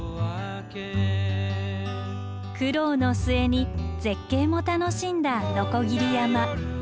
苦労の末に絶景も楽しんだ鋸山。